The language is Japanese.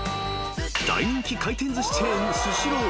［大人気回転寿司チェーンスシロー］